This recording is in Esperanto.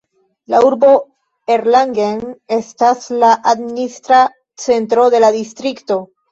La urbo Erlangen estas la administra centro de la distrikto.